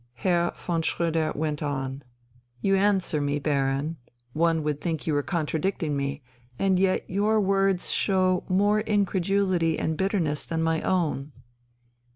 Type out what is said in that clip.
Herr von Schröder went on: "You answer me, Baron; one would think you were contradicting me, and yet your words show more incredulity and bitterness than my own."